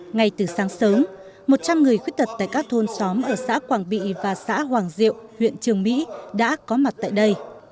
ngay từ sáng sớm một trăm linh người khuyết tật tại các thôn xóm ở xã quảng bị và xã hoàng diệu huyện trường mỹ đã có mặt tại đây